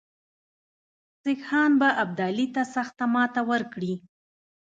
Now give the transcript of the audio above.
سیکهان به ابدالي ته سخته ماته ورکړي.